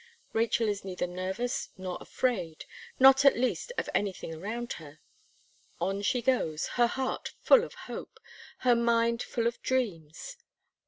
Rachel is neither nervous nor afraid not, at least, of anything around her. On she goes, her heart full of hope, her mind full of dreams.